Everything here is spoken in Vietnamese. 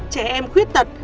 trẻ em khuyết tật